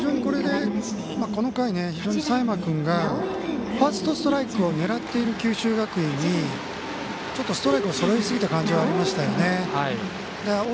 この回、非常に佐山君がファーストストライクを狙っている九州学院にストライクを迫りすぎた感じがありましたよね。